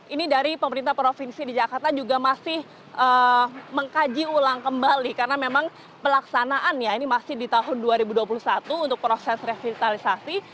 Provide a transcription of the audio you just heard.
ini dari pemerintah provinsi di jakarta juga masih mengkaji ulang kembali karena memang pelaksanaannya ini masih di tahun dua ribu dua puluh satu untuk proses revitalisasi